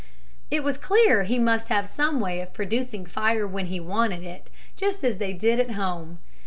It was clear he must have some way of producing fire when he wanted it, just as they did at home.